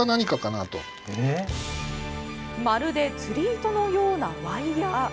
まるで釣り糸のようなワイヤー。